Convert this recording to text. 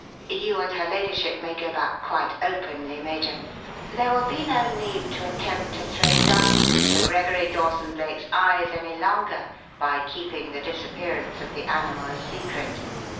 You and her ladyship may go back quite openly, Major. There will be no need to attempt to throw dust in Sir Gregory Dawson Blake's eyes any longer by keeping the disappearance of the animal a secret.